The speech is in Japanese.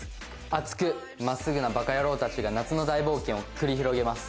熱くまっすぐなばかやろうたちが夏の大冒険を繰り広げます。